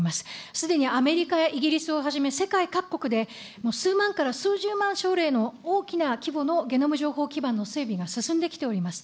すでにアメリカやイギリスをはじめ、世界各国で、数万から数十万症例の大きな規模のゲノム情報基盤の整備が進んできております。